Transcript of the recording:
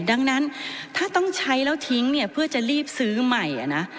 ดังนั้นถ้าต้องใช้แล้วทิ้งเนี่ยเพื่อจะรีบซื้อใหม่นะ